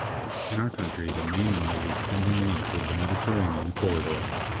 In our country the main one of these pending links is the Mediterranean corridor.